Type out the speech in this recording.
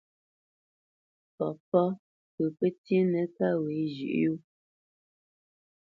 Papá pə pətíénə kâ wě zhʉ̌ʼ yó.